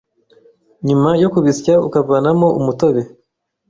nyuma yo kubisya ukavanamo umutobe,